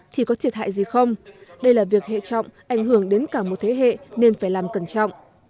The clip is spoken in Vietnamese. thì có thiệt hại gì không đây là việc hệ trọng ảnh hưởng đến cả một thế hệ nên phải làm cẩn trọng